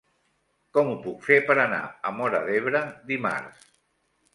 Com ho puc fer per anar a Móra d'Ebre dimarts?